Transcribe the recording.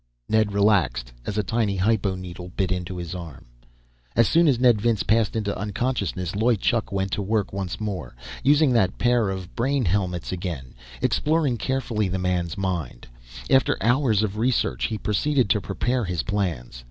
Ned relaxed, as a tiny hypo needle bit into his arm.... As soon as Ned Vince passed into unconsciousness, Loy Chuk went to work once more, using that pair of brain helmets again, exploring carefully the man's mind. After hours of research, he proceeded to prepare his plans.